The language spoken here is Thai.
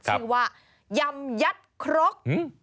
ชื่อว่ายำยัดครก